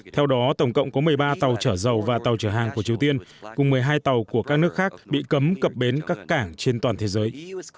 theo đó tổng cộng có một mươi ba tàu chở dầu và tàu chở hàng của triều tiên cùng một mươi hai tàu của các nước khác bị cấm cập bến các cảng trên toàn thế giới